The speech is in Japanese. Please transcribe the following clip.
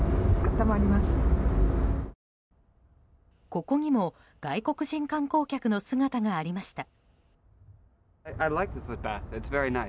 ここにも外国人観光客の姿がありました。